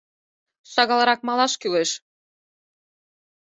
Шагалрак малаш кӱлеш.